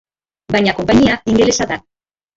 Baina konpainia ingelesa da.